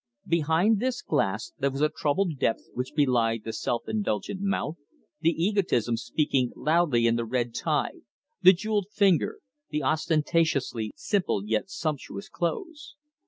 Behind this glass there was a troubled depth which belied the self indulgent mouth, the egotism speaking loudly in the red tie, the jewelled finger, the ostentatiously simple yet sumptuous clothes.